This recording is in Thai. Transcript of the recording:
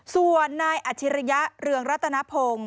ส่วนในอัธิรยะเรืองรัตนพงศ์